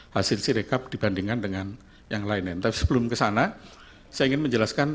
hasil sirekap dibandingkan dengan yang lainnya tapi sebelum kesana saya ingin menjelaskan